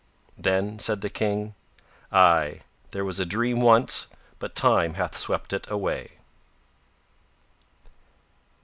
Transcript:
Then said the King: "Ay, there was a dream once but Time hath swept it away."